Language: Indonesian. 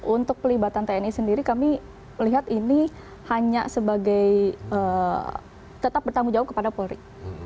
untuk pelibatan tni sendiri kami melihat ini hanya sebagai tetap bertanggung jawab kepada polri